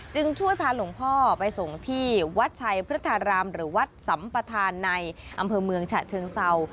จึงช่วยพาหลวงพ่อไปส่งที่วัดชัยพฤทธารามหรือวัดสัมประธานในอำเภอเมืองฉะเชิงเศร้า